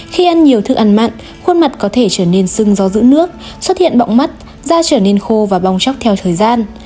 khi ăn nhiều thức ăn mặn khuôn mặt có thể trở nên sưng do giữ nước xuất hiện bọng mắt da trở nên khô và bong chóc theo thời gian